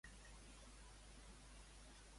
Com acaba en Thomas?